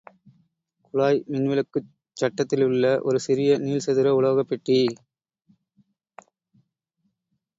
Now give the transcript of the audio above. குழாய் மின்விளக்குச் சட்டத்திலுள்ள ஒரு சிறிய நீள்சதுர உலோகப்பெட்டி.